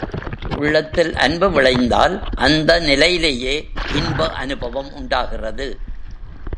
உள்ளத்தில் அன்பு விளைந்தால் அந்த நிலையிலேயே இன்ப அநுபவம் உண்டாகிறது.